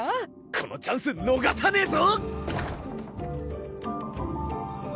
このチャンス逃さねぇぞ！